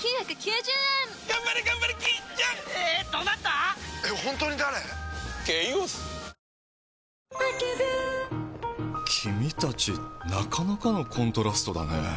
なかなかのコントラストだね。